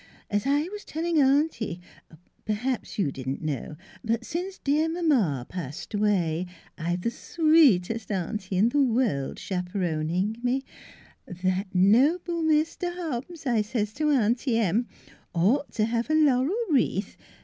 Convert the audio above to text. As I was telling aunty perhaps you didn't know, but since dear mamma passed away I have the sweetest aunty in the world chaperoning me ' That noble Mr. Hobbs,' I says to Aunty Em, ' ought t' have a laurel wreath.